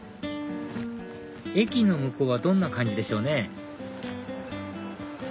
駅の向こうはどんな感じでしょうね